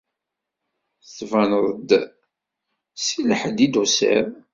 Tettbaneḍ-d seg Lhend i d-tusiḍ.